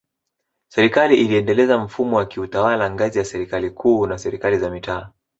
Serikali iliendeleza mfumo wa kiutawala ngazi ya Serikali Kuu na Serikali za Mitaa